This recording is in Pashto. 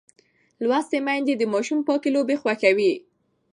لوستې میندې د ماشوم پاکې لوبې خوښوي.